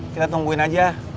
kita tungguin aja